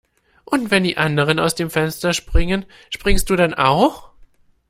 Und wenn die anderen aus dem Fenster springen, springst du dann auch?